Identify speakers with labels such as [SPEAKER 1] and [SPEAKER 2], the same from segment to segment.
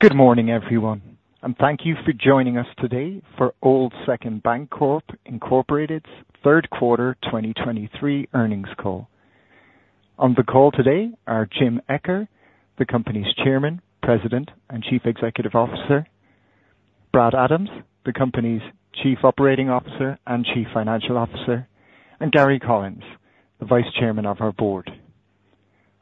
[SPEAKER 1] Good morning, everyone, and thank you for joining us today for Old Second Bancorp Incorporated's third quarter 2023 earnings call. On the call today are Jim Eccher, the company's Chairman, President, and Chief Executive Officer; Brad Adams, the company's Chief Operating Officer and Chief Financial Officer; and Gary Collins, the Vice Chairman of our board.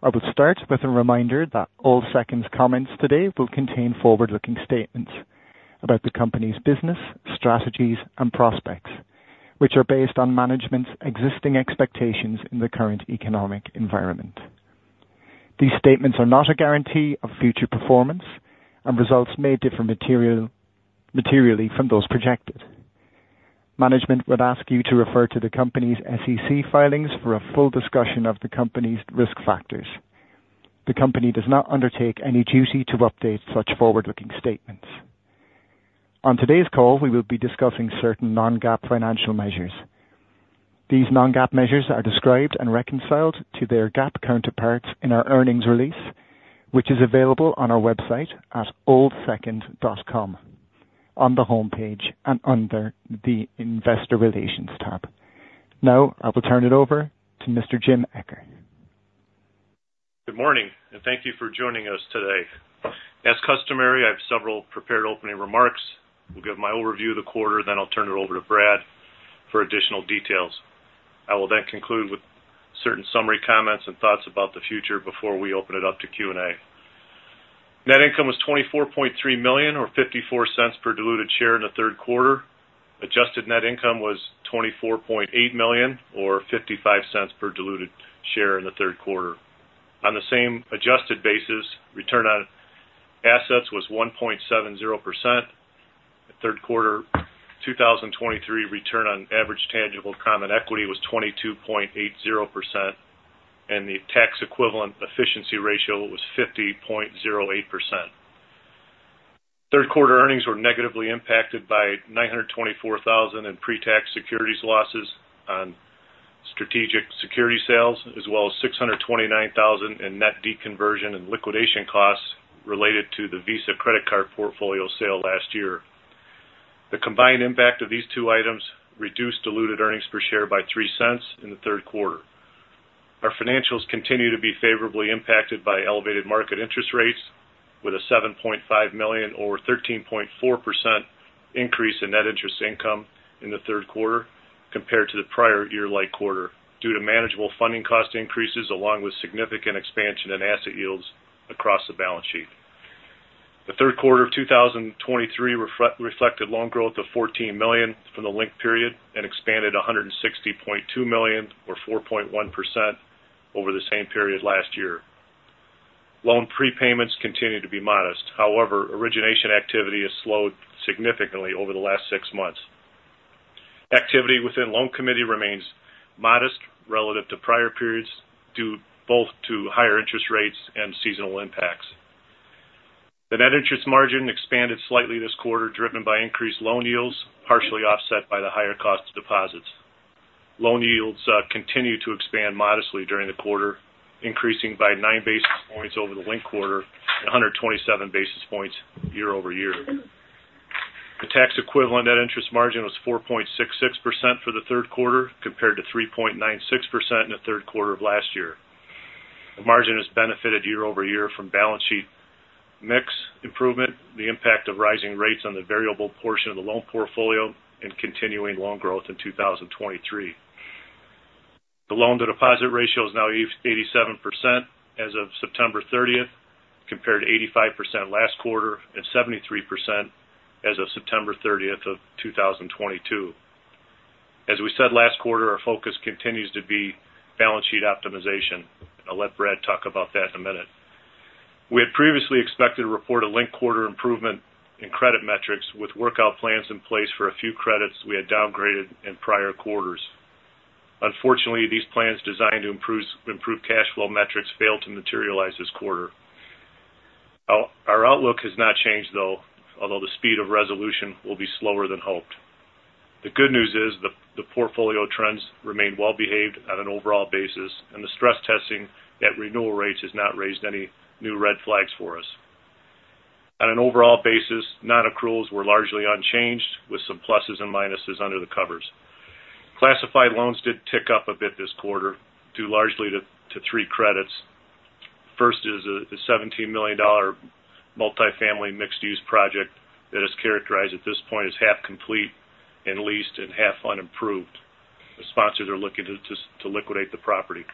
[SPEAKER 1] I will start with a reminder that Old Second's comments today will contain forward-looking statements about the company's business, strategies, and prospects, which are based on management's existing expectations in the current economic environment. These statements are not a guarantee of future performance, and results may differ materially from those projected. Management would ask you to refer to the company's SEC filings for a full discussion of the company's risk factors. The company does not undertake any duty to update such forward-looking statements. On today's call, we will be discussing certain non-GAAP financial measures. These non-GAAP measures are described and reconciled to their GAAP counterparts in our earnings release, which is available on our website at oldsecond.com, on the homepage and under the Investor Relations tab. Now, I will turn it over to Mr. Jim Eccher.
[SPEAKER 2] Good morning, and thank you for joining us today. As customary, I have several prepared opening remarks. We'll give my overview of the quarter, then I'll turn it over to Brad for additional details. I will then conclude with certain summary comments and thoughts about the future before we open it up to Q&A. Net income was $24.3 million, or $0.54 per diluted share in the third quarter. Adjusted net income was $24.8 million, or $0.55 per diluted share in the third quarter. On the same adjusted basis, return on assets was 1.70%. The third quarter 2023 return on average tangible common equity was 22.80%, and the tax equivalent efficiency ratio was 50.08%. Third quarter earnings were negatively impacted by $924,000 in pre-tax securities losses on strategic security sales, as well as $629,000 in net deconversion and liquidation costs related to the Visa credit card portfolio sale last year. The combined impact of these two items reduced diluted earnings per share by $0.03 in the third quarter. Our financials continue to be favorably impacted by elevated market interest rates, with a $7.5 million or 13.4% increase in net interest income in the third quarter compared to the prior year-ago quarter, due to manageable funding cost increases along with significant expansion in asset yields across the balance sheet. The third quarter of 2023 reflected loan growth of $14 million from the linked period and expanded $160.2 million, or 4.1% over the same period last year. Loan prepayments continue to be modest. However, origination activity has slowed significantly over the last six months. Activity within loan committee remains modest relative to prior periods, due both to higher interest rates and seasonal impacts. The net interest margin expanded slightly this quarter, driven by increased loan yields, partially offset by the higher cost of deposits. Loan yields continued to expand modestly during the quarter, increasing by 9 basis points over the linked quarter and 127 basis points year-over-year. The tax equivalent net interest margin was 4.66% for the third quarter, compared to 3.96% in the third quarter of last year. The margin has benefited year-over-year from balance sheet mix improvement, the impact of rising rates on the variable portion of the loan portfolio, and continuing loan growth in 2023. The loan-to-deposit ratio is now 88.7% as of September 30, compared to 85% last quarter and 73% as of September 30 of 2022. As we said last quarter, our focus continues to be balance sheet optimization. I'll let Brad talk about that in a minute. We had previously expected to report a linked-quarter improvement in credit metrics with workout plans in place for a few credits we had downgraded in prior quarters. Unfortunately, these plans designed to improve cash flow metrics failed to materialize this quarter. Our outlook has not changed, though, although the speed of resolution will be slower than hoped. The good news is the portfolio trends remain well behaved on an overall basis, and the stress testing at renewal rates has not raised any new red flags for us. On an overall basis, non-accruals were largely unchanged, with some pluses and minuses under the covers. Classified loans did tick up a bit this quarter, due largely to three credits. First is a $17 million multifamily mixed-use project that is characterized at this point as half complete and leased and half unimproved. The sponsors are looking to liquidate the property.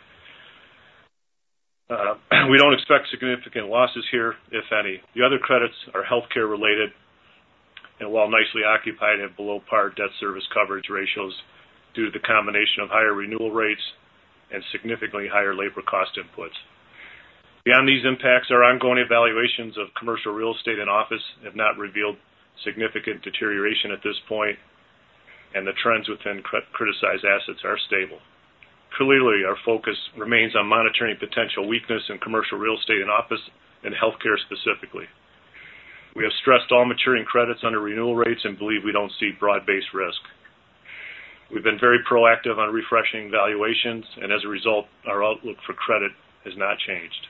[SPEAKER 2] We don't expect significant losses here, if any. The other credits are healthcare related, and while nicely occupied at below par debt service coverage ratios due to the combination of higher renewal rates and significantly higher labor cost inputs. Beyond these impacts, our ongoing evaluations of commercial real estate and office have not revealed significant deterioration at this point, and the trends within criticized assets are stable. Clearly, our focus remains on monitoring potential weakness in commercial real estate and office and healthcare specifically. We have stressed all maturing credits under renewal rates and believe we don't see broad-based risk. We've been very proactive on refreshing valuations, and as a result, our outlook for credit has not changed.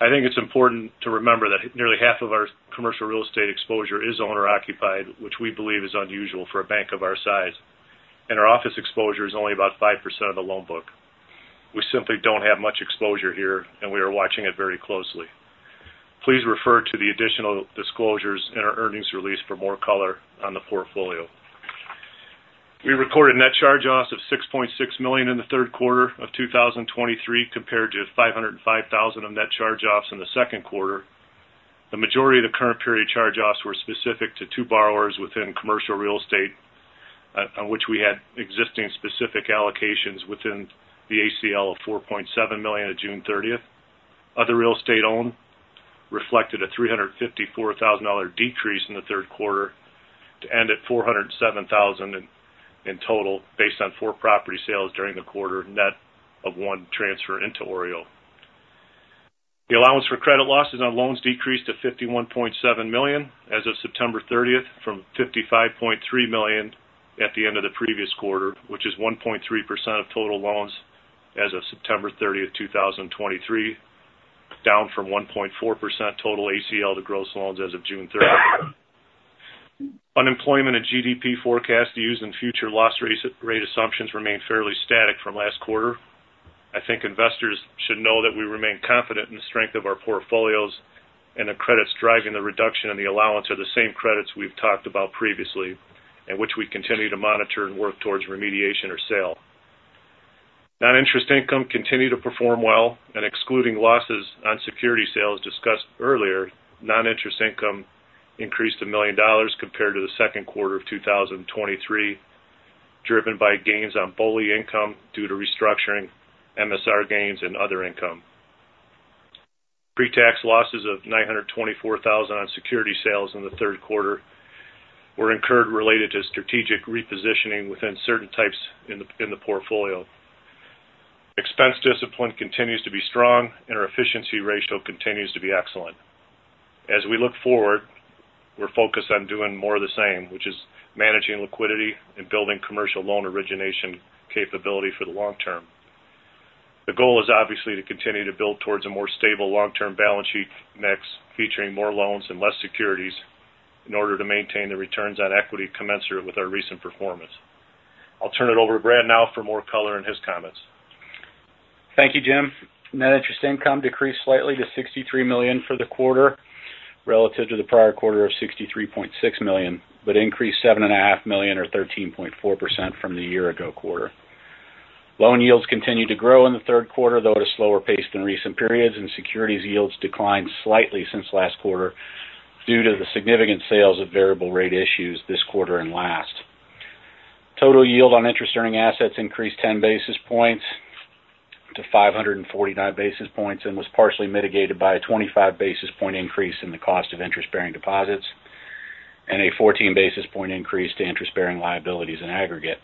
[SPEAKER 2] I think it's important to remember that nearly half of our commercial real estate exposure is owner-occupied, which we believe is unusual for a bank of our size, and our office exposure is only about 5% of the loan book. We simply don't have much exposure here, and we are watching it very closely. Please refer to the additional disclosures in our earnings release for more color on the portfolio. We recorded net charge-offs of $6.6 million in the third quarter of 2023, compared to $505,000 of net charge-offs in the second quarter. The majority of the current period charge-offs were specific to two borrowers within commercial real estate, on which we had existing specific allocations within the ACL of $4.7 million on June 30th. Other real estate owned reflected a $354,000 decrease in the third quarter to end at $407,000 in total, based on four property sales during the quarter, net of one transfer into OREO. The allowance for credit losses on loans decreased to $51.7 million as of September 30, from $55.3 million at the end of the previous quarter, which is 1.3% of total loans as of September 30, 2023, down from 1.4% total ACL to gross loans as of June 30. Unemployment and GDP forecast used in future loss rate assumptions remain fairly static from last quarter. I think investors should know that we remain confident in the strength of our portfolios and the credits driving the reduction in the allowance are the same credits we've talked about previously, and which we continue to monitor and work towards remediation or sale. Non-interest income continued to perform well, and excluding losses on security sales discussed earlier, non-interest income increased $1 million compared to the second quarter of 2023, driven by gains on BOLI income due to restructuring, MSR gains and other income. Pre-tax losses of $924,000 on security sales in the third quarter were incurred related to strategic repositioning within certain types in the portfolio. Expense discipline continues to be strong, and our efficiency ratio continues to be excellent. As we look forward, we're focused on doing more of the same, which is managing liquidity and building commercial loan origination capability for the long term. The goal is obviously to continue to build towards a more stable long-term balance sheet mix, featuring more loans and less securities, in order to maintain the returns on equity commensurate with our recent performance. I'll turn it over to Brad now for more color in his comments.
[SPEAKER 3] Thank you, Jim. Net interest income decreased slightly to $63 million for the quarter, relative to the prior quarter of $63.6 million, but increased $7.5 million or 13.4% from the year ago quarter. Loan yields continued to grow in the third quarter, though at a slower pace than recent periods, and securities yields declined slightly since last quarter due to the significant sales of variable rate issues this quarter and last. Total yield on interest earning assets increased 10 basis points to 549 basis points, and was partially mitigated by a 25 basis point increase in the cost of interest-bearing deposits and a 14 basis point increase to interest-bearing liabilities in aggregate.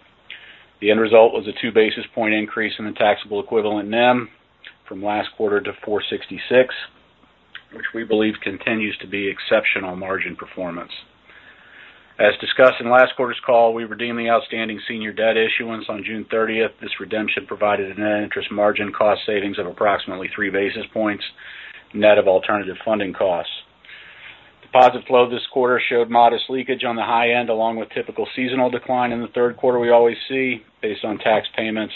[SPEAKER 3] The end result was a 2 basis point increase in the taxable equivalent NIM from last quarter to 4.66, which we believe continues to be exceptional margin performance. As discussed in last quarter's call, we redeemed the outstanding senior debt issuance on June 30th. This redemption provided a net interest margin cost savings of approximately 3 basis points, net of alternative funding costs. Deposit flow this quarter showed modest leakage on the high end, along with typical seasonal decline in the third quarter we always see based on tax payments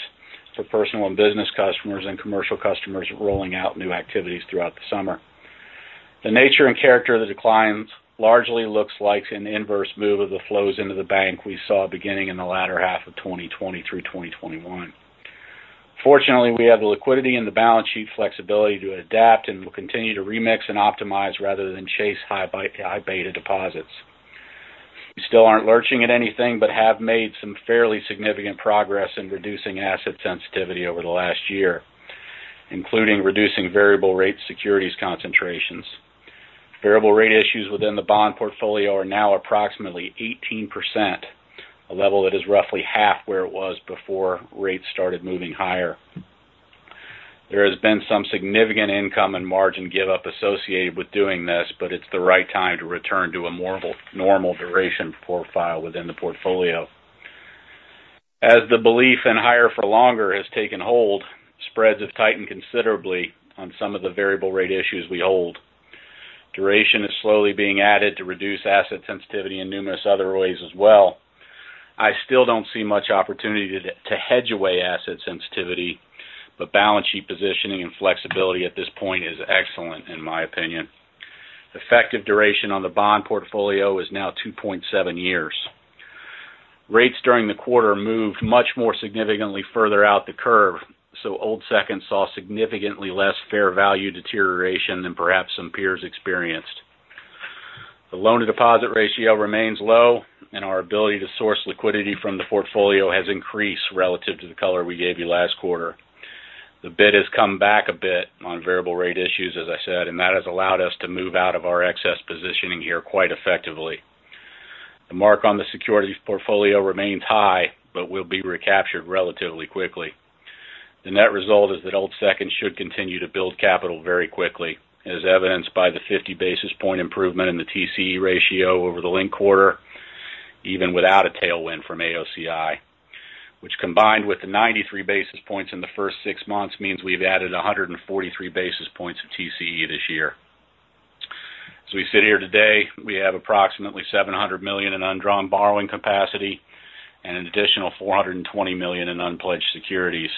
[SPEAKER 3] for personal and business customers, and commercial customers rolling out new activities throughout the summer. The nature and character of the declines largely looks like an inverse move of the flows into the bank we saw beginning in the latter half of 2020 through 2021. Fortunately, we have the liquidity and the balance sheet flexibility to adapt, and we'll continue to remix and optimize rather than chase high beta deposits. We still aren't lurching at anything, but have made some fairly significant progress in reducing asset sensitivity over the last year, including reducing variable rate securities concentrations. Variable rate issues within the bond portfolio are now approximately 18%, a level that is roughly half where it was before rates started moving higher. There has been some significant income and margin give up associated with doing this, but it's the right time to return to a normal duration profile within the portfolio. As the belief in higher for longer has taken hold, spreads have tightened considerably on some of the variable rate issues we hold. Duration is slowly being added to reduce asset sensitivity in numerous other ways as well. I still don't see much opportunity to hedge away asset sensitivity, but balance sheet positioning and flexibility at this point is excellent, in my opinion. Effective duration on the bond portfolio is now 2.7 years. Rates during the quarter moved much more significantly further out the curve, so Old Second saw significantly less fair value deterioration than perhaps some peers experienced. The loan-to-deposit ratio remains low, and our ability to source liquidity from the portfolio has increased relative to the color we gave you last quarter. The bid has come back a bit on variable rate issues, as I said, and that has allowed us to move out of our excess positioning here quite effectively. The mark on the securities portfolio remains high, but will be recaptured relatively quickly. The net result is that Old Second should continue to build capital very quickly, as evidenced by the 50 basis points improvement in the TCE ratio over the linked quarter, even without a tailwind from AOCI, which, combined with the 93 basis points in the first six months, means we've added 143 basis points of TCE this year. As we sit here today, we have approximately $700 million in undrawn borrowing capacity and an additional $420 million in unpledged securities.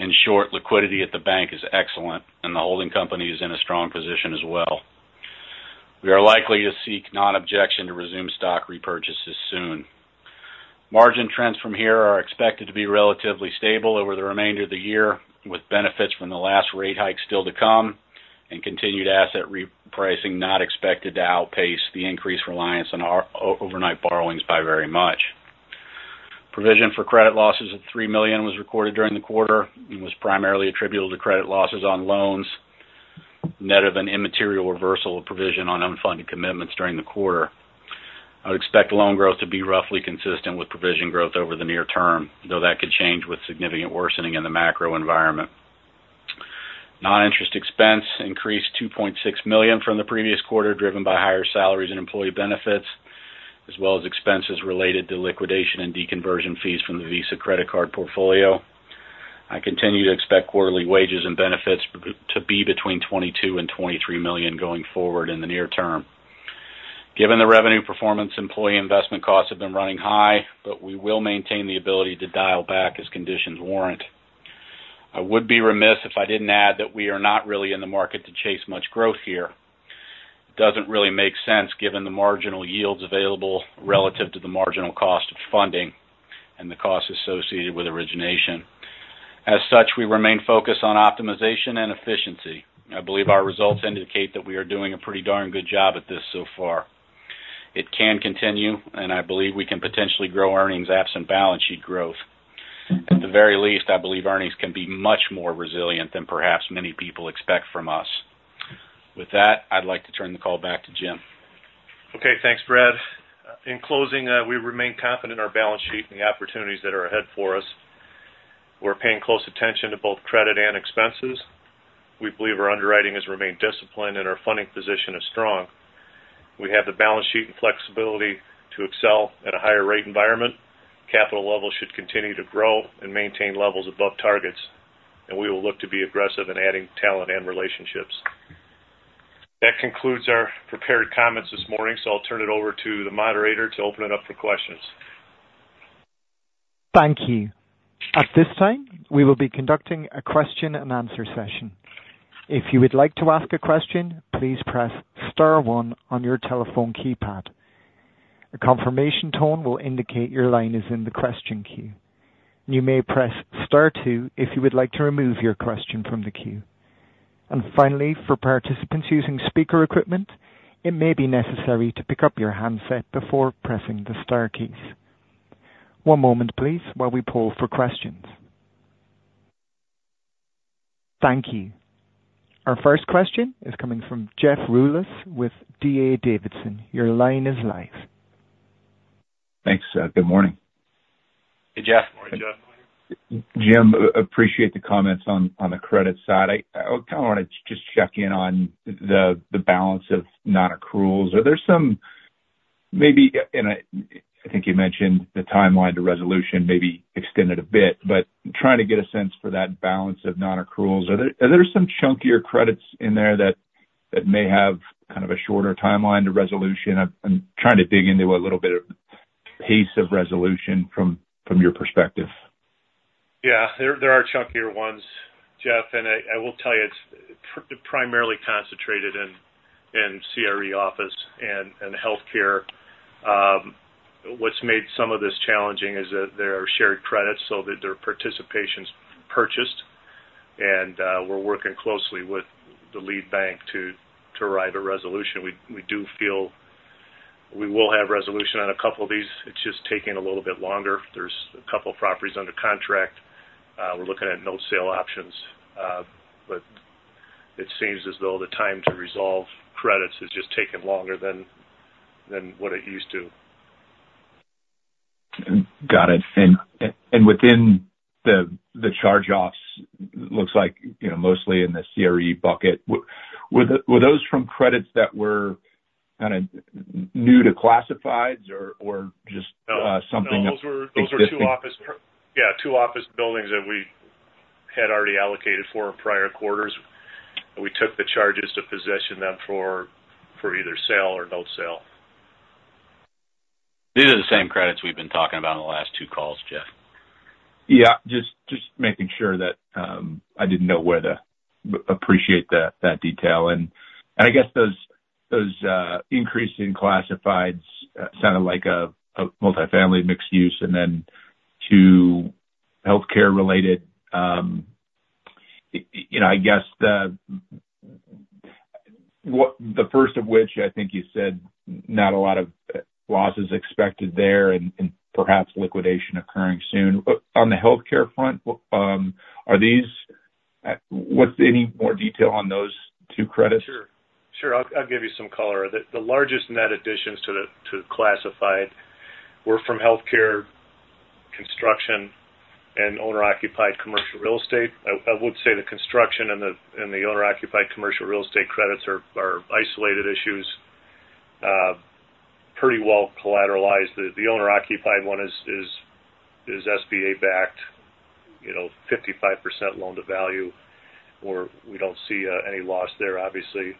[SPEAKER 3] In short, liquidity at the bank is excellent, and the holding company is in a strong position as well. We are likely to seek non-objection to resume stock repurchases soon. Margin trends from here are expected to be relatively stable over the remainder of the year, with benefits from the last rate hike still to come and continued asset repricing not expected to outpace the increased reliance on our overnight borrowings by very much. Provision for credit losses of $3 million was recorded during the quarter and was primarily attributable to credit losses on loans, net of an immaterial reversal of provision on unfunded commitments during the quarter. I would expect loan growth to be roughly consistent with provision growth over the near term, though that could change with significant worsening in the macro environment. Non-interest expense increased $2.6 million from the previous quarter, driven by higher salaries and employee benefits, as well as expenses related to liquidation and deconversion fees from the Visa credit card portfolio. I continue to expect quarterly wages and benefits to be between $22 million and $23 million going forward in the near term. Given the revenue performance, employee investment costs have been running high, but we will maintain the ability to dial back as conditions warrant. I would be remiss if I didn't add that we are not really in the market to chase much growth here. It doesn't really make sense given the marginal yields available relative to the marginal cost of funding and the costs associated with origination. As such, we remain focused on optimization and efficiency. I believe our results indicate that we are doing a pretty darn good job at this so far. It can continue, and I believe we can potentially grow earnings absent balance sheet growth. At the very least, I believe earnings can be much more resilient than perhaps many people expect from us. With that, I'd like to turn the call back to Jim.
[SPEAKER 2] Okay, thanks, Brad. In closing, we remain confident in our balance sheet and the opportunities that are ahead for us. We're paying close attention to both credit and expenses. We believe our underwriting has remained disciplined and our funding position is strong. We have the balance sheet and flexibility to excel at a higher rate environment. Capital levels should continue to grow and maintain levels above targets, and we will look to be aggressive in adding talent and relationships. That concludes our prepared comments this morning, so I'll turn it over to the moderator to open it up for questions.
[SPEAKER 1] Thank you. At this time, we will be conducting a question and answer session. If you would like to ask a question, please press star one on your telephone keypad. A confirmation tone will indicate your line is in the question queue. You may press star two if you would like to remove your question from the queue. And finally, for participants using speaker equipment, it may be necessary to pick up your handset before pressing the star keys. One moment, please, while we poll for questions. Thank you. Our first question is coming from Jeff Rulis with D.A. Davidson. Your line is live.
[SPEAKER 4] Thanks. Good morning.
[SPEAKER 3] Hey, Jeff.
[SPEAKER 2] Morning, Jeff.
[SPEAKER 4] Jim, appreciate the comments on the credit side. I kind of want to just check in on the balance of non-accruals. Are there some maybe, and I think you mentioned the timeline to resolution may be extended a bit, but trying to get a sense for that balance of non-accruals. Are there some chunkier credits in there that may have kind of a shorter timeline to resolution? I'm trying to dig into a little bit of pace of resolution from your perspective.
[SPEAKER 2] Yeah. There are chunkier ones, Jeff, and I will tell you, it's primarily concentrated in CRE office and healthcare. What's made some of this challenging is that there are shared credits so that their participation's purchased, and we're working closely with the lead bank to arrive at a resolution. We do feel we will have resolution on a couple of these. It's just taking a little bit longer. There's a couple properties under contract. We're looking at no sale options, but it seems as though the time to resolve credits has just taken longer than what it used to.
[SPEAKER 4] Got it. And within the charge-offs, looks like, you know, mostly in the CRE bucket. Were those from credits that were kind of new to classifieds or just-
[SPEAKER 2] No.
[SPEAKER 4] - uh, something-
[SPEAKER 2] No, those were two office buildings that we had already allocated for in prior quarters. We took the charges to position them for either sale or no sale.
[SPEAKER 3] These are the same credits we've been talking about on the last two calls, Jeff.
[SPEAKER 4] Yeah, just, just making sure that, I didn't know where to appreciate that, that detail. And, and I guess those, those, increase in classifieds, sounded like a, a multifamily mixed use and then two healthcare related. You know, I guess, the, what-- the first of which I think you said not a lot of, losses expected there and, and perhaps liquidation occurring soon. But on the healthcare front, are these... What's any more detail on those two credits?
[SPEAKER 2] Sure, sure, I'll give you some color. The largest net additions to the classified were from healthcare, construction, and owner-occupied commercial real estate. I would say the construction and the owner-occupied commercial real estate credits are isolated issues, pretty well collateralized. The owner-occupied one is SBA-backed, you know, 55% loan to value, or we don't see any loss there, obviously.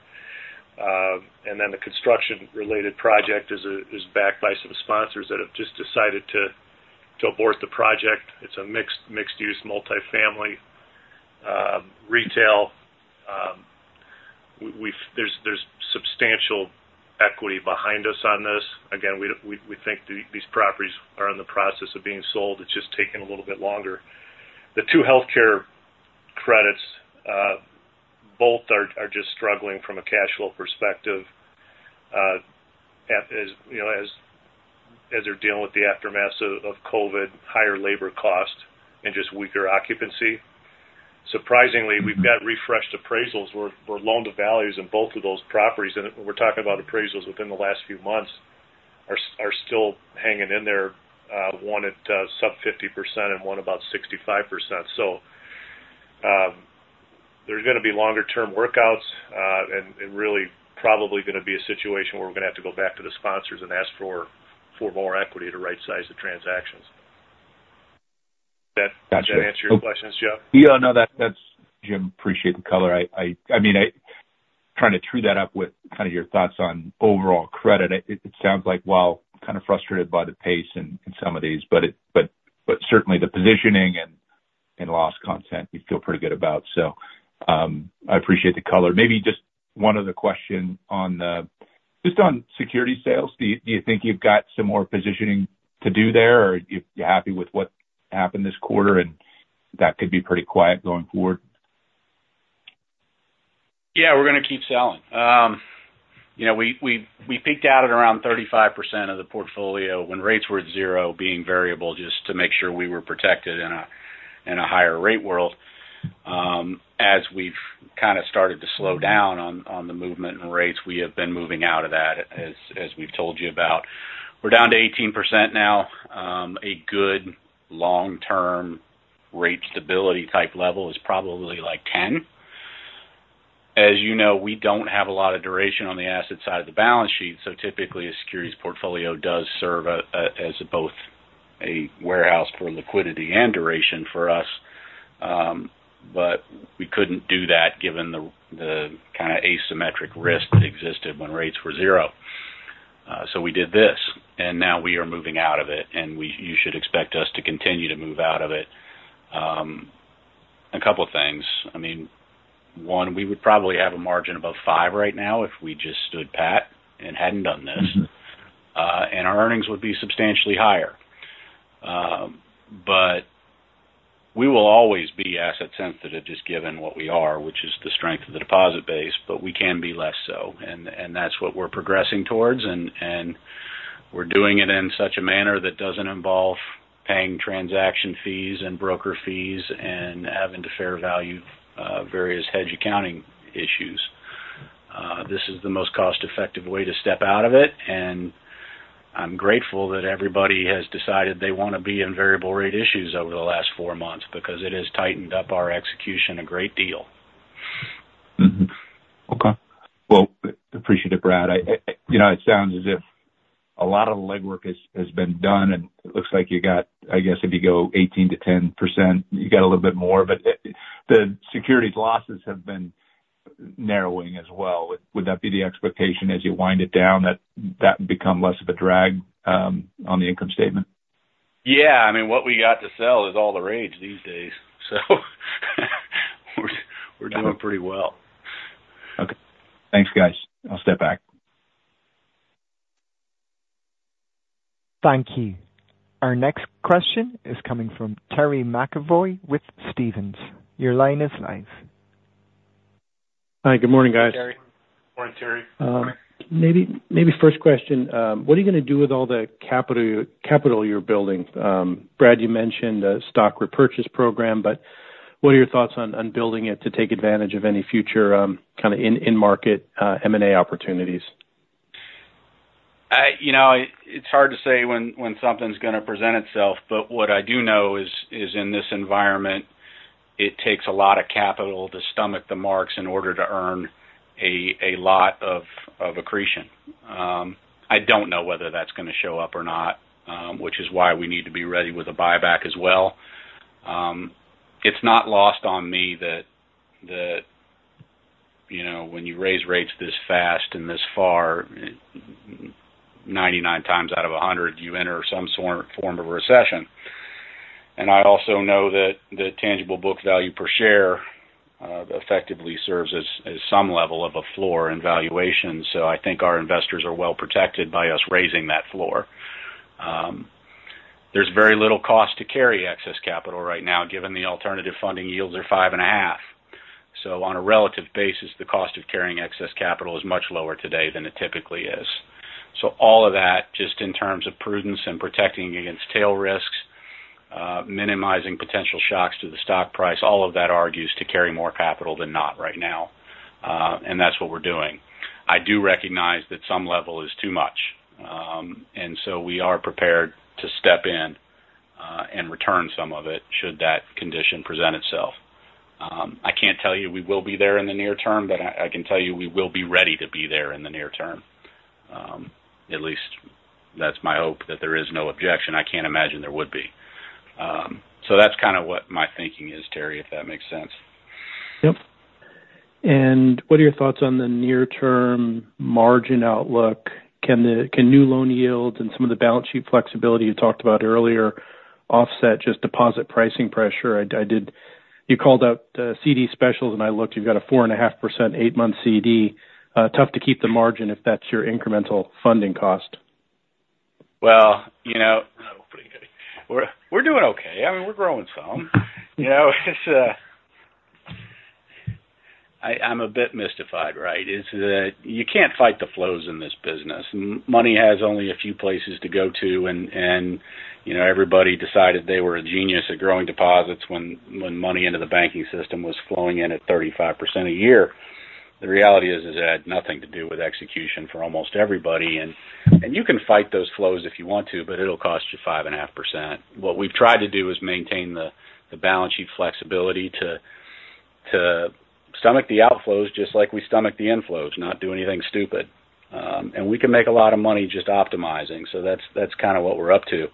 [SPEAKER 2] And then the construction related project is backed by some sponsors that have just decided to abort the project. It's a mixed use, multifamily, retail. We've—there's substantial equity behind us on this. Again, we think these properties are in the process of being sold. It's just taking a little bit longer. The two healthcare credits, both are just struggling from a cash flow perspective, as, you know, as they're dealing with the aftermath of COVID, higher labor cost and just weaker occupancy. Surprisingly, we've got refreshed appraisals where loan to values in both of those properties, and we're talking about appraisals within the last few months, are still hanging in there, one at sub 50% and one about 65%. So, there's going to be longer term workouts, and really probably going to be a situation where we're going to have to go back to the sponsors and ask for more equity to rightsize the transactions. Does that-
[SPEAKER 4] Gotcha.
[SPEAKER 2] Does that answer your questions, Jeff?
[SPEAKER 4] Yeah, no, that's... Jim, appreciate the color. I mean, trying to true that up with kind of your thoughts on overall credit. It sounds like, while kind of frustrated by the pace in some of these, but certainly the positioning and loss content you feel pretty good about. So, I appreciate the color. Maybe just one other question on the—just on security sales. Do you think you've got some more positioning to do there, or you're happy with what happened this quarter and that could be pretty quiet going forward?
[SPEAKER 3] Yeah, we're going to keep selling. You know, we peaked out at around 35% of the portfolio when rates were at 0%, being variable, just to make sure we were protected in a higher rate world. As we've kind of started to slow down on the movement and rates, we have been moving out of that, as we've told you about. We're down to 18% now. A good long-term rate stability type level is probably like 10%. As you know, we don't have a lot of duration on the asset side of the balance sheet, so typically, a securities portfolio does serve as both a warehouse for liquidity and duration for us. But we couldn't do that given the kind of asymmetric risk that existed when rates were at 0%. So we did this, and now we are moving out of it, and you should expect us to continue to move out of it. A couple things. I mean, one, we would probably have a margin above five right now if we just stood pat and hadn't done this.
[SPEAKER 4] Mm-hmm.
[SPEAKER 3] Our earnings would be substantially higher. But we will always be asset sensitive, just given what we are, which is the strength of the deposit base, but we can be less so. And that's what we're progressing towards, and we're doing it in such a manner that doesn't involve paying transaction fees and broker fees and having to fair value various hedge accounting issues. This is the most cost-effective way to step out of it, and I'm grateful that everybody has decided they want to be in variable rate issues over the last four months, because it has tightened up our execution a great deal.
[SPEAKER 4] Mm-hmm. Okay. Well, appreciate it, Brad. I—you know, it sounds as if a lot of the legwork has been done, and it looks like you got—I guess, if you go 18%-10%, you got a little bit more, but the securities losses have been narrowing as well. Would that be the expectation as you wind it down, that that become less of a drag on the income statement?
[SPEAKER 3] Yeah. I mean, what we got to sell is all the rage these days, so we're doing pretty well.
[SPEAKER 4] Okay. Thanks, guys. I'll step back.
[SPEAKER 1] Thank you. Our next question is coming from Terry McEvoy with Stephens. Your line is live.
[SPEAKER 5] Hi. Good morning, guys.
[SPEAKER 3] Hey, Terry.
[SPEAKER 2] Morning, Terry.
[SPEAKER 5] Maybe first question. What are you going to do with all the capital you're building? Brad, you mentioned a stock repurchase program, but what are your thoughts on building it to take advantage of any future kind of in-market M&A opportunities?
[SPEAKER 3] You know, it's hard to say when something's going to present itself, but what I do know is in this environment, it takes a lot of capital to stomach the marks in order to earn a lot of accretion. I don't know whether that's going to show up or not, which is why we need to be ready with a buyback as well. It's not lost on me that you know, when you raise rates this fast and this far, 99 times out of 100, you enter some sort of form of recession. And I also know that the tangible book value per share effectively serves as some level of a floor in valuation. So I think our investors are well protected by us raising that floor. There's very little cost to carry excess capital right now, given the alternative funding yields are 5.5. So on a relative basis, the cost of carrying excess capital is much lower today than it typically is. So all of that, just in terms of prudence and protecting against tail risks, minimizing potential shocks to the stock price, all of that argues to carry more capital than not right now. And that's what we're doing. I do recognize that some level is too much, and so we are prepared to step in and return some of it, should that condition present itself. I can't tell you we will be there in the near term, but I, I can tell you we will be ready to be there in the near term. At least that's my hope, that there is no objection. I can't imagine there would be. So that's kind of what my thinking is, Terry, if that makes sense.
[SPEAKER 5] Yep. And what are your thoughts on the near-term margin outlook? Can new loan yields and some of the balance sheet flexibility you talked about earlier offset just deposit pricing pressure? You called out CD specials, and I looked, you've got a 4.5%, eight-month CD. Tough to keep the margin if that's your incremental funding cost.
[SPEAKER 3] Well, you know, we're doing okay. I mean, we're growing some. You know, it's... I'm a bit mystified, right? It's that you can't fight the flows in this business. Money has only a few places to go to, and, you know, everybody decided they were a genius at growing deposits when money into the banking system was flowing in at 35% a year. The reality is it had nothing to do with execution for almost everybody. And you can fight those flows if you want to, but it'll cost you 5.5%. What we've tried to do is maintain the balance sheet flexibility to stomach the outflows, just like we stomach the inflows, not do anything stupid. We can make a lot of money just optimizing, so that's kind of what we're up to.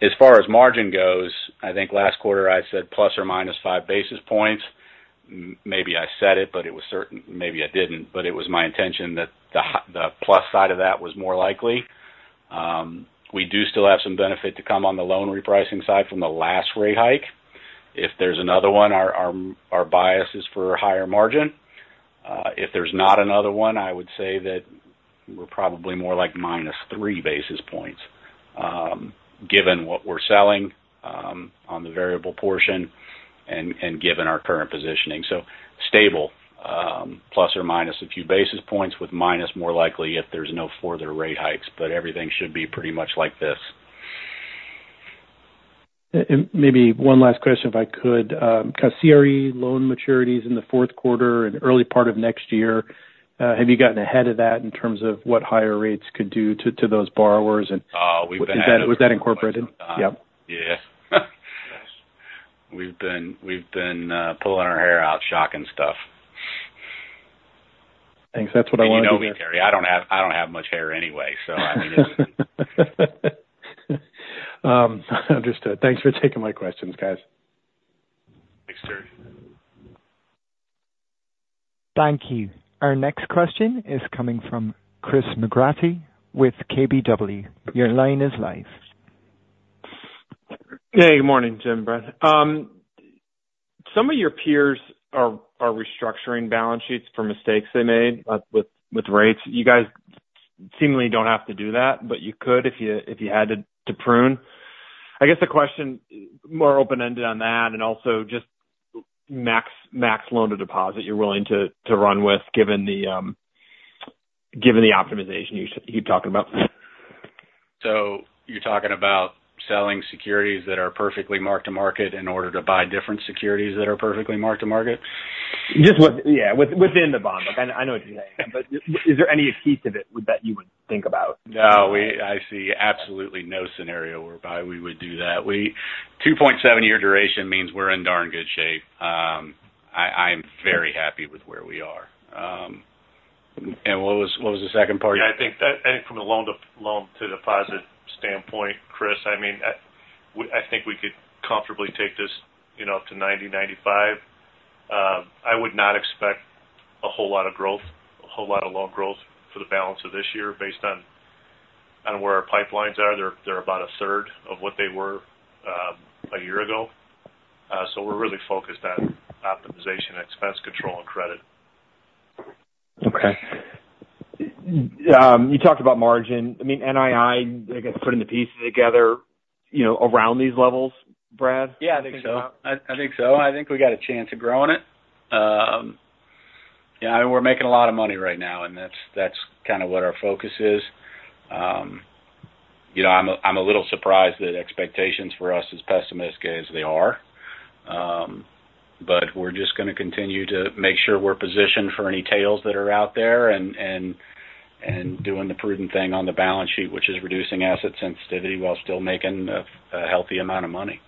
[SPEAKER 3] As far as margin goes, I think last quarter I said ±5 basis points. Maybe I said it, but maybe I didn't, but it was my intention that the plus side of that was more likely. We do still have some benefit to come on the loan repricing side from the last rate hike. If there's another one, our bias is for higher margin. If there's not another one, I would say that we're probably more like -3 basis points, given what we're selling on the variable portion and given our current positioning. So stable, plus or minus a few basis points, with minus more likely if there's no further rate hikes, but everything should be pretty much like this.
[SPEAKER 5] And maybe one last question, if I could. CRE loan maturities in the fourth quarter and early part of next year, have you gotten ahead of that in terms of what higher rates could do to those borrowers? And-
[SPEAKER 3] Oh, we've been ahead of that.
[SPEAKER 5] Was that incorporated? Yep.
[SPEAKER 3] Yeah. We've been pulling our hair out, shocking stuff.
[SPEAKER 5] Thanks. That's what I wanted to get-
[SPEAKER 3] You know me, Terry. I don't have much hair anyway, so I mean, it's-
[SPEAKER 5] Understood. Thanks for taking my questions, guys.
[SPEAKER 3] Thanks, Terry.
[SPEAKER 1] Thank you. Our next question is coming from Chris McGratty with KBW. Your line is live.
[SPEAKER 6] Hey, good morning, Jim and Brad. Some of your peers are restructuring balance sheets for mistakes they made with rates. You guys seemingly don't have to do that, but you could if you had to to prune. I guess the question, more open-ended on that, and also just max loan-to-deposit you're willing to run with, given the optimization you keep talking about.
[SPEAKER 3] So you're talking about selling securities that are perfectly mark to market in order to buy different securities that are perfectly mark to market?
[SPEAKER 6] Just within the bond. Look, I know what you're saying, but is there any piece of it that you would think about?
[SPEAKER 3] No, I see absolutely no scenario whereby we would do that. 2.7-year duration means we're in darn good shape. I'm very happy with where we are.
[SPEAKER 6] What was the second part?
[SPEAKER 2] I think that, I think from a loan to deposit standpoint, Chris, I mean, we—I think we could comfortably take this, you know, up to 90-95. I would not expect a whole lot of growth, a whole lot of loan growth for the balance of this year, based on where our pipelines are. They're about a third of what they were a year ago. So we're really focused on optimization, expense control, and credit.
[SPEAKER 6] Okay. You talked about margin. I mean, NII, I guess, putting the pieces together, you know, around these levels, Brad?
[SPEAKER 3] Yeah, I think so. I think so. I think we got a chance of growing it. Yeah, we're making a lot of money right now, and that's kind of what our focus is. You know, I'm a little surprised that expectations for us as pessimistic as they are. But we're just gonna continue to make sure we're positioned for any tails that are out there and doing the prudent thing on the balance sheet, which is reducing asset sensitivity while still making a healthy amount of money.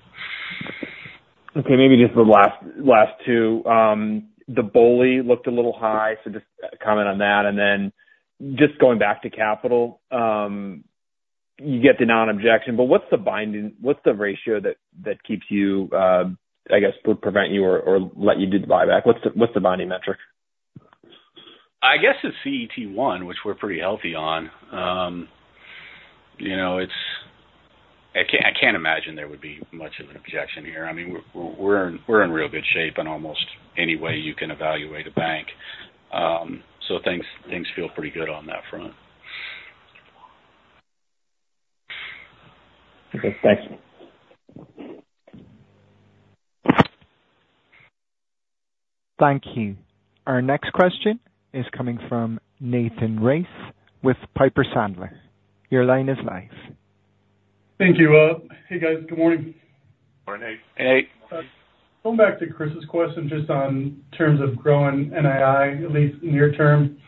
[SPEAKER 6] Okay, maybe just the last two. The BOLI looked a little high, so just a comment on that. And then just going back to capital, you get the non-objection, but what's the binding - what's the ratio that that keeps you, I guess, prevent you or let you do the buyback? What's the binding metric?
[SPEAKER 3] I guess it's CET1, which we're pretty healthy on. You know, it's... I can't imagine there would be much of an objection here. I mean, we're, we're in, we're in real good shape in almost any way you can evaluate a bank. So things, things feel pretty good on that front.
[SPEAKER 6] Okay, thanks.
[SPEAKER 1] Thank you. Our next question is coming from Nathan Race with Piper Sandler. Your line is live.
[SPEAKER 7] Thank you. Hey, guys. Good morning.
[SPEAKER 2] Morning.
[SPEAKER 3] Hey.
[SPEAKER 7] Going back to Chris's question, just on terms of growing NII, at least near term,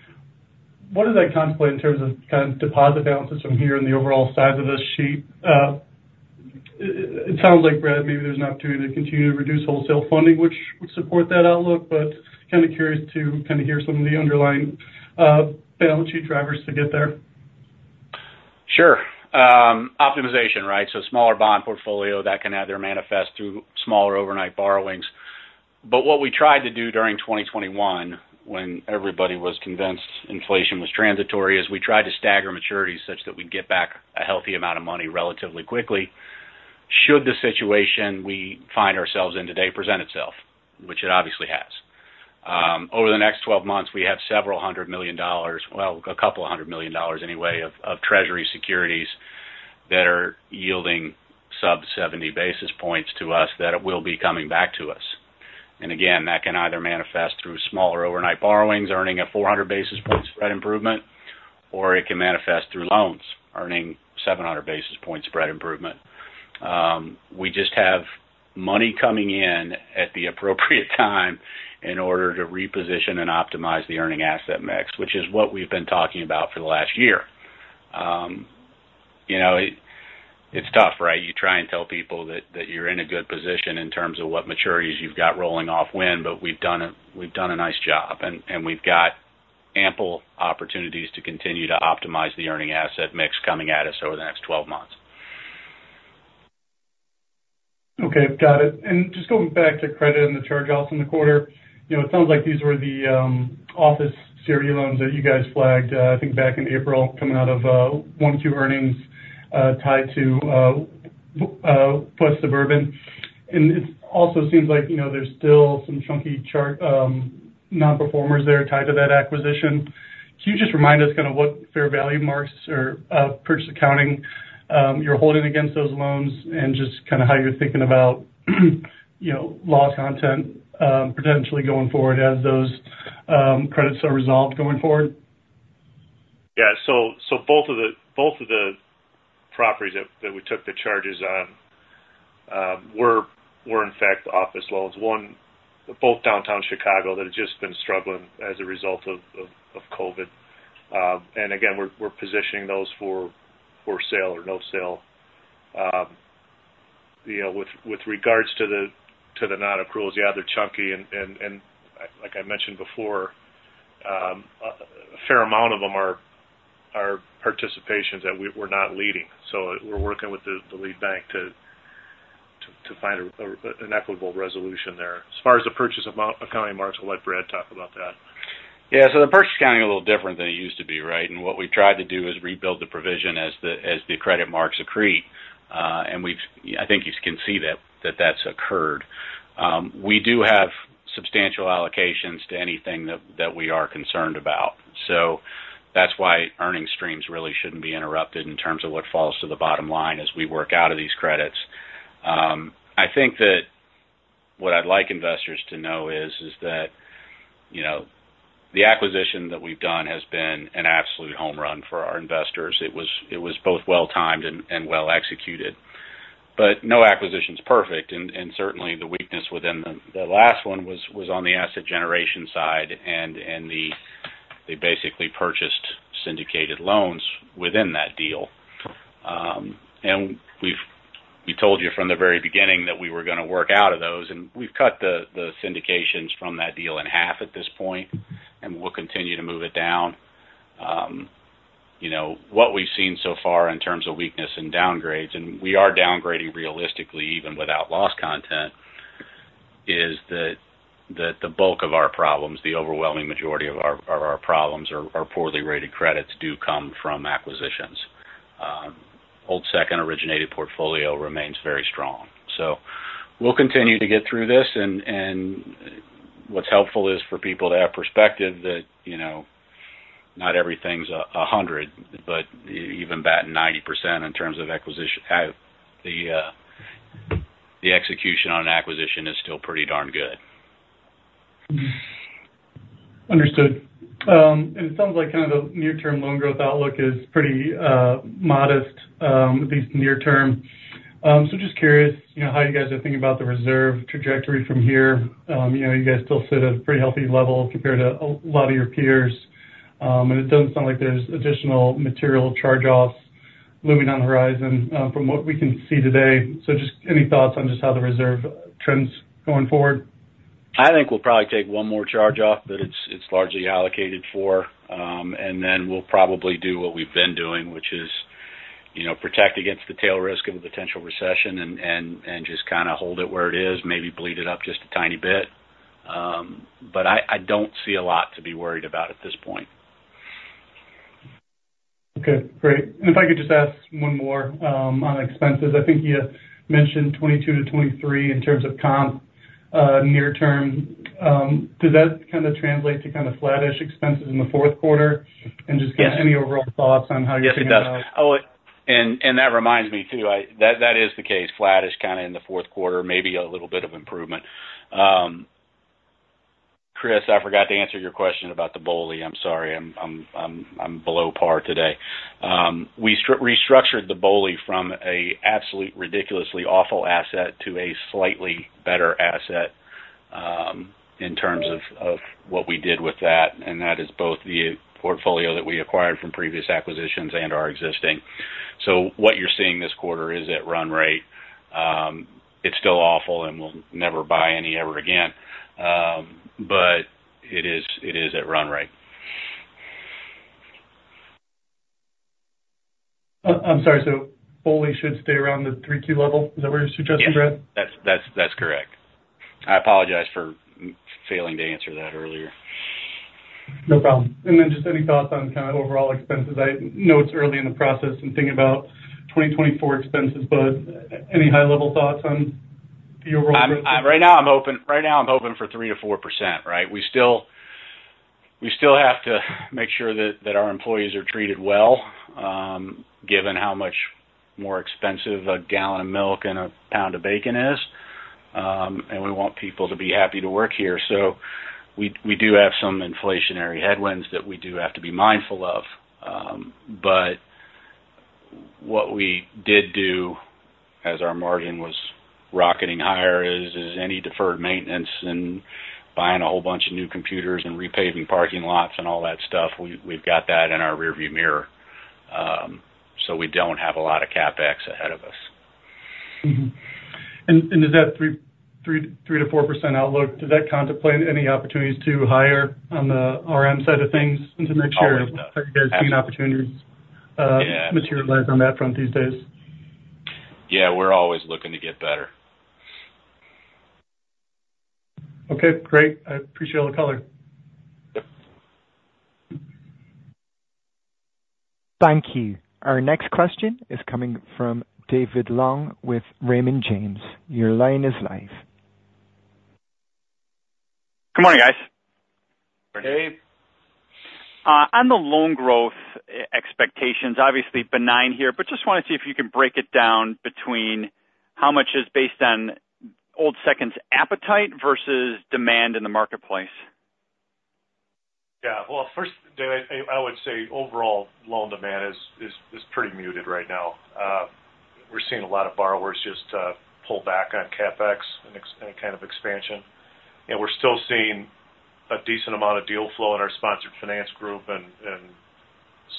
[SPEAKER 7] what does that contemplate in terms of kind of deposit balances from here and the overall size of the sheet? It sounds like, Brad, maybe there's an opportunity to continue to reduce wholesale funding, which would support that outlook, but kind of curious to kind of hear some of the underlying, balance sheet drivers to get there.
[SPEAKER 3] Sure. Optimization, right? So smaller bond portfolio that can either manifest through smaller overnight borrowings. But what we tried to do during 2021, when everybody was convinced inflation was transitory, is we tried to stagger maturities such that we'd get back a healthy amount of money relatively quickly should the situation we find ourselves in today present itself, which it obviously has. Over the next 12 months, we have several hundred million dollars, well, a couple of hundred million dollars anyway, of treasury securities that are yielding sub 70 basis points to us, that it will be coming back to us. And again, that can either manifest through smaller overnight borrowings, earning a 400 basis point spread improvement, or it can manifest through loans earning 700 basis point spread improvement. We just have money coming in at the appropriate time in order to reposition and optimize the earning asset mix, which is what we've been talking about for the last year. You know, it's tough, right? You try and tell people that you're in a good position in terms of what maturities you've got rolling off when, but we've done a nice job, and we've got ample opportunities to continue to optimize the earning asset mix coming at us over the next 12 months.
[SPEAKER 7] Okay, got it. And just going back to credit and the charge-offs in the quarter. You know, it sounds like these were the office CRE loans that you guys flagged, I think back in April, coming out of 1Q earnings, tied to West Suburban. And it also seems like, you know, there's still some chunky chart nonperformers there tied to that acquisition. Can you just remind us kind of what fair value marks or purchase accounting you're holding against those loans and just kind of how you're thinking about, you know, loss content potentially going forward as those credits are resolved going forward?
[SPEAKER 2] Yeah. So both of the properties that we took the charges on were in fact office loans. One, both downtown Chicago, that have just been struggling as a result of COVID. And again, we're positioning those for sale or no sale. You know, with regards to the nonaccruals, yeah, they're chunky and like I mentioned before, a fair amount of them are participations that we're not leading. So we're working with the lead bank to find an equitable resolution there. As far as the purchase amount accounting marks, I'll let Brad talk about that.
[SPEAKER 3] Yeah, so the purchase accounting is a little different than it used to be, right? What we've tried to do is rebuild the provision as the credit marks accrete, and we've—I think you can see that that's occurred. We do have substantial allocations to anything that we are concerned about. So that's why earning streams really shouldn't be interrupted in terms of what falls to the bottom line as we work out of these credits. I think that what I'd like investors to know is that, you know, the acquisition that we've done has been an absolute home run for our investors. It was both well timed and well executed. But no acquisition is perfect, and certainly the weakness within the last one was on the asset generation side and the they basically purchased syndicated loans within that deal. We've told you from the very beginning that we were going to work out of those, and we've cut the syndications from that deal in half at this point, and we'll continue to move it down. You know, what we've seen so far in terms of weakness and downgrades, and we are downgrading realistically, even without loss content, is that the bulk of our problems, the overwhelming majority of our problems are poorly rated credits do come from acquisitions. Old Second originated portfolio remains very strong. So we'll continue to get through this, and what's helpful is for people to have perspective that, you know, not everything's a hundred, but even batting 90% in terms of acquisition, the execution on an acquisition is still pretty darn good.
[SPEAKER 7] Understood. And it sounds like kind of the near-term loan growth outlook is pretty modest, at least near term. So just curious, you know, how you guys are thinking about the reserve trajectory from here. You know, you guys still sit at a pretty healthy level compared to a lot of your peers. And it doesn't sound like there's additional material charge-offs looming on the horizon, from what we can see today. So just any thoughts on just how the reserve trends going forward?
[SPEAKER 3] I think we'll probably take one more charge off, but it's largely allocated for. And then we'll probably do what we've been doing, which is, you know, protect against the tail risk of a potential recession and just kind of hold it where it is, maybe bleed it up just a tiny bit. But I don't see a lot to be worried about at this point.
[SPEAKER 7] Okay, great. And if I could just ask one more, on expenses. I think you mentioned 2022-2023 in terms of comp, near term, does that kind of translate to kind of flattish expenses in the fourth quarter? And just any overall thoughts on how you're thinking about-
[SPEAKER 3] Yes, it does. Oh, and that reminds me, too, that is the case. Flattish kind of in the fourth quarter, maybe a little bit of improvement. Chris, I forgot to answer your question about the BOLI. I'm sorry, I'm below par today. We restructured the BOLI from a absolutely ridiculously awful asset to a slightly better asset, in terms of what we did with that, and that is both the portfolio that we acquired from previous acquisitions and our existing. So what you're seeing this quarter is at run rate. It's still awful and we'll never buy any ever again. But it is at run rate.
[SPEAKER 7] I'm sorry, so BOLI should stay around the 3Q level? Is that what you're suggesting, Brad?
[SPEAKER 3] Yes. That's correct. I apologize for failing to answer that earlier.
[SPEAKER 7] No problem. And then, just any thoughts on kind of overall expenses? I know it's early in the process in thinking about 2024 expenses, but any high-level thoughts on your role?
[SPEAKER 3] Right now, I'm hoping, right now I'm hoping for 3%-4%, right? We still, we still have to make sure that, that our employees are treated well, given how much more expensive a gallon of milk and a pound of bacon is. And we want people to be happy to work here. So we, we do have some inflationary headwinds that we do have to be mindful of. But what we did do, as our margin was rocketing higher, is any deferred maintenance and buying a whole bunch of new computers and repaving parking lots and all that stuff, we, we've got that in our rearview mirror. So we don't have a lot of CapEx ahead of us.
[SPEAKER 7] Mm-hmm. And does that 3%-4% outlook contemplate any opportunities to hire on the RM side of things to make sure?
[SPEAKER 3] Oh, it does.
[SPEAKER 7] Are you guys seeing opportunities?
[SPEAKER 3] Yeah.
[SPEAKER 7] materialize on that front these days?
[SPEAKER 3] Yeah, we're always looking to get better.
[SPEAKER 7] Okay, great. I appreciate all the color.
[SPEAKER 1] Thank you. Our next question is coming from David Long with Raymond James. Your line is live.
[SPEAKER 8] Good morning, guys.
[SPEAKER 3] Hey.
[SPEAKER 8] On the loan growth expectations, obviously benign here, but just want to see if you can break it down between how much is based on Old Second's appetite versus demand in the marketplace.
[SPEAKER 2] Yeah. Well, first, Dave, I would say overall loan demand is pretty muted right now. We're seeing a lot of borrowers just pull back on CapEx and except any kind of expansion. And we're still seeing a decent amount of deal flow in our Sponsor Finance group and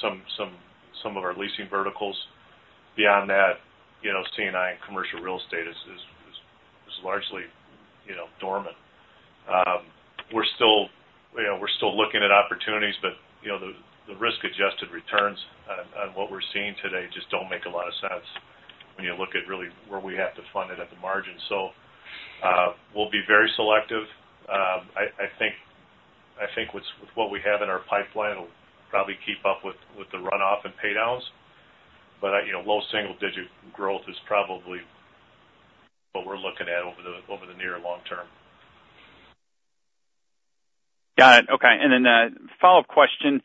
[SPEAKER 2] some of our leasing verticals. Beyond that, you know, C&I and commercial real estate is largely dormant. We're still looking at opportunities, but you know, the risk-adjusted returns on what we're seeing today just don't make a lot of sense when you look at really where we have to fund it at the margin. So, we'll be very selective. I think with what we have in our pipeline, it'll probably keep up with the runoff and pay downs, but, you know, low single digit growth is probably what we're looking at over the near long term.
[SPEAKER 8] Got it. Okay. And then, follow-up question.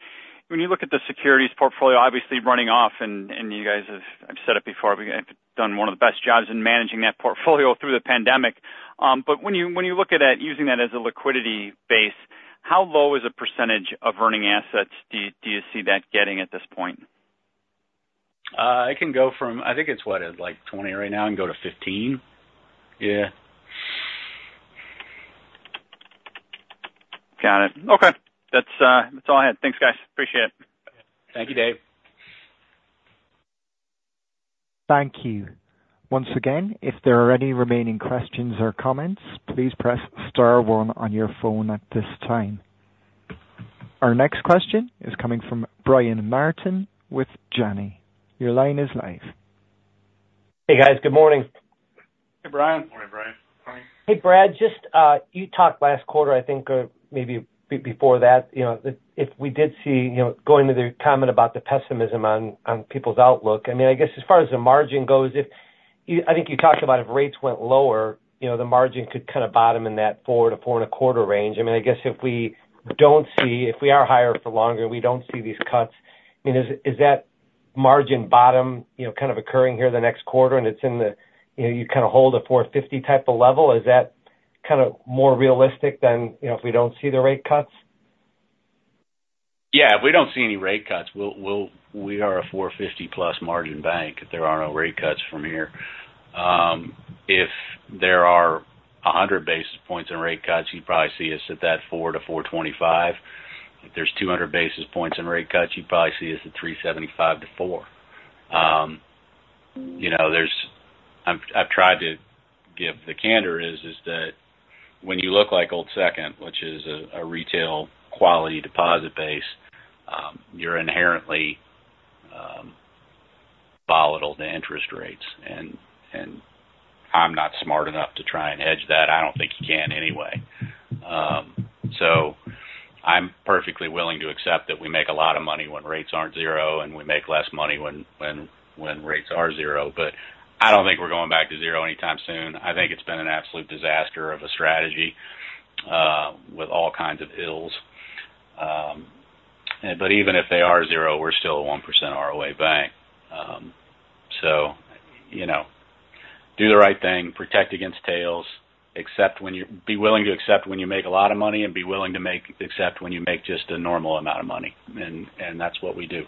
[SPEAKER 8] When you look at the securities portfolio, obviously running off, and you guys have said it before, we have done one of the best jobs in managing that portfolio through the pandemic. But when you look at that, using that as a liquidity base, how low is the percentage of earning assets do you see that getting at this point?
[SPEAKER 3] It can go from... I think it's what, like, 20 right now, and go to 15. Yeah.
[SPEAKER 8] Got it. Okay. That's all I had. Thanks, guys. Appreciate it.
[SPEAKER 3] Thank you, Dave.
[SPEAKER 1] Thank you. Once again, if there are any remaining questions or comments, please press star one on your phone at this time. Our next question is coming from Brian Martin with Janney Montgomery Scott. Your line is live.
[SPEAKER 9] Hey, guys. Good morning.
[SPEAKER 3] Hey, Brian.
[SPEAKER 2] Morning, Brian.
[SPEAKER 9] Hey, Brad, just you talked last quarter, I think, maybe before that, you know, if we did see, you know, going to the comment about the pessimism on people's outlook. I mean, I guess as far as the margin goes, if I think you talked about if rates went lower, you know, the margin could kind of bottom in that 4%-4.25% range. I mean, I guess if we are higher for longer and we don't see these cuts, I mean, is that margin bottom, you know, kind of occurring here the next quarter and it's in the, you know, you kind of hold a 4.50% type of level? Is that kind of more realistic than, you know, if we don't see the rate cuts?
[SPEAKER 3] Yeah, if we don't see any rate cuts, we'll—we are a 4.50%+ margin bank if there are no rate cuts from here. If there are 100 basis points in rate cuts, you'd probably see us at that 4%-4.25%. If there's 200 basis points in rate cuts, you'd probably see us at 3.75%-4%. You know, there's... I've tried to give the candor is that when you look like Old Second, which is a retail quality deposit base, you're inherently volatile to interest rates, and I'm not smart enough to try and hedge that. I don't think you can.... So I'm perfectly willing to accept that we make a lot of money when rates aren't zero, and we make less money when rates are zero. I don't think we're going back to zero anytime soon. I think it's been an absolute disaster of a strategy with all kinds of ills. But even if they are zero, we're still a 1% ROA bank. So, you know, do the right thing, protect against tails, be willing to accept when you make a lot of money and be willing to accept when you make just a normal amount of money, and that's what we do.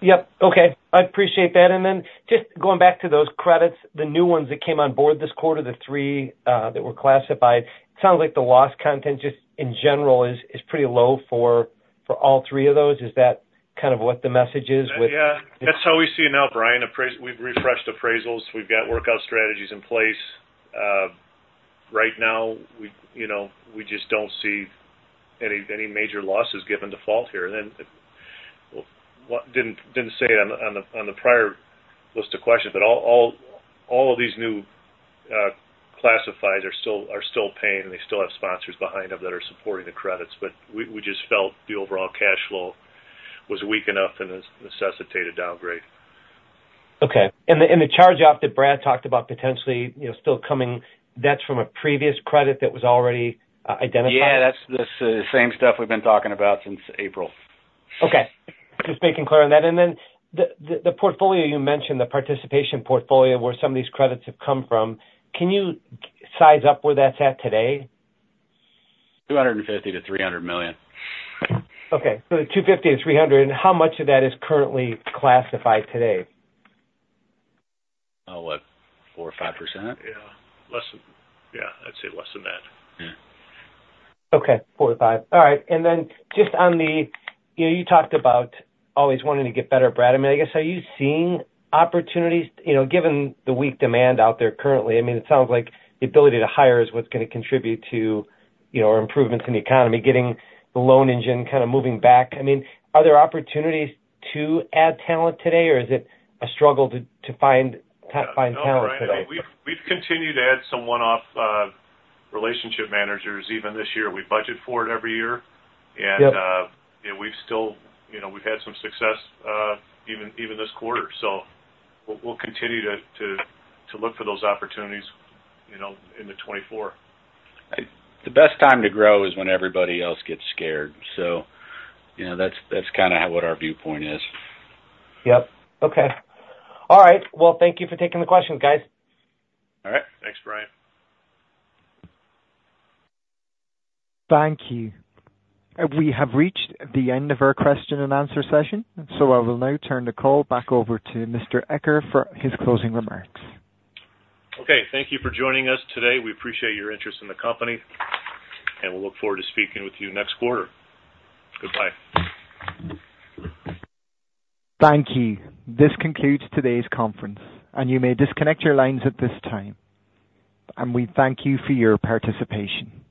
[SPEAKER 9] Yep. Okay, I appreciate that. And then just going back to those credits, the new ones that came on board this quarter, the three that were classified, it sounds like the loss content, just in general, is pretty low for all three of those. Is that kind of what the message is with-
[SPEAKER 2] Yeah, that's how we see it now, Brian. We've refreshed appraisals. We've got workout strategies in place. Right now, you know, we just don't see any major losses given default here. And then, what I didn't say on the prior list of questions, but all of these new classifieds are still paying, and they still have sponsors behind them that are supporting the credits. But we just felt the overall cash flow was weak enough and has necessitated downgrade.
[SPEAKER 9] Okay. And the charge-off that Brad talked about potentially, you know, still coming, that's from a previous credit that was already identified?
[SPEAKER 3] Yeah, that's the same stuff we've been talking about since April.
[SPEAKER 9] Okay. Just making clear on that. And then the portfolio you mentioned, the participation portfolio, where some of these credits have come from, can you size up where that's at today?
[SPEAKER 3] $250 million-$300 million.
[SPEAKER 9] Okay, so $250 million-$300 million. How much of that is currently classified today?
[SPEAKER 3] Oh, what? 4%-5%?
[SPEAKER 2] Yeah, less than... Yeah, I'd say less than that.
[SPEAKER 3] Yeah.
[SPEAKER 9] Okay, 4%-5%. All right. And then just on the. You know, you talked about always wanting to get better, Brad. I mean, I guess, are you seeing opportunities? You know, given the weak demand out there currently, I mean, it sounds like the ability to hire is what's going to contribute to, you know, improvements in the economy, getting the loan engine kind of moving back. I mean, are there opportunities to add talent today, or is it a struggle to find talent today?
[SPEAKER 2] We've continued to add some one-off relationship managers even this year. We budget for it every year.
[SPEAKER 9] Yep.
[SPEAKER 2] Yeah, we've still, you know, we've had some success, even this quarter. So we'll continue to look for those opportunities, you know, in 2024.
[SPEAKER 3] The best time to grow is when everybody else gets scared. So, you know, that's kind of what our viewpoint is.
[SPEAKER 9] Yep. Okay. All right. Well, thank you for taking the questions, guys.
[SPEAKER 2] All right. Thanks, Brian.
[SPEAKER 1] Thank you. We have reached the end of our question and answer session, so I will now turn the call back over to Mr. Eccher for his closing remarks.
[SPEAKER 2] Okay, thank you for joining us today. We appreciate your interest in the company, and we'll look forward to speaking with you next quarter. Goodbye.
[SPEAKER 1] Thank you. This concludes today's conference, and you may disconnect your lines at this time. We thank you for your participation.